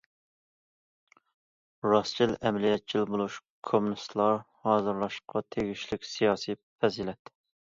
راستچىل، ئەمەلىيەتچىل بولۇش كوممۇنىستلار ھازىرلاشقا تېگىشلىك سىياسىي پەزىلەت.